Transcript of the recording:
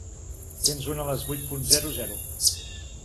Tens un a les vuit punt zero zero.